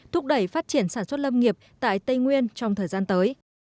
thúc đẩy phát triển sản xuất lâm nghiệp tại tây nguyên trong thời gian tới